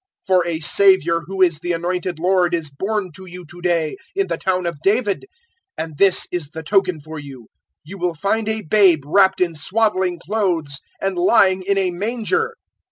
002:011 For a Saviour who is the Anointed Lord is born to you to day, in the town of David. 002:012 And this is the token for you: you will find a babe wrapped in swaddling clothes and lying in a manger."